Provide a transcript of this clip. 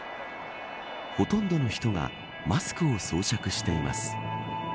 ほとんどの人がマスクを装着しています。